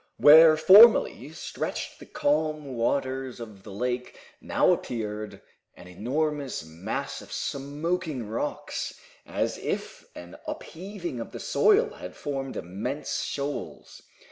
Where formerly stretched the calm waters of the lake now appeared an enormous mass of smoking rocks, as if an upheaving of the soil had formed immense shoals.